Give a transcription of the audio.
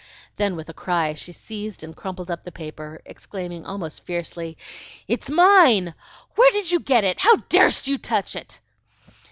Then with a cry she seized and crumpled up the paper, exclaiming almost fiercely, "It's mine! Where did you get it? How dar'st you touch it?"